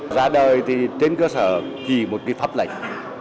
ra đời thì trên cơ sở chỉ một cái pháp lệnh